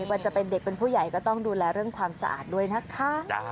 ว่าจะเป็นเด็กเป็นผู้ใหญ่ก็ต้องดูแลเรื่องความสะอาดด้วยนะคะ